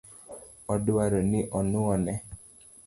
Odwaro ni onuo ne